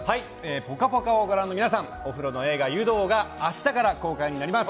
「ぽかぽか」をご覧の皆さんお風呂の映画「湯道」が明日から公開になります。